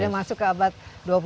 masuk ke abad dua puluh satu